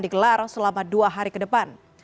digelar selama dua hari ke depan